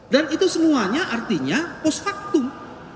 dan itu semuanya artinya post factum